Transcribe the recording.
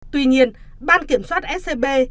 tuy nhiên ban kiểm soát scb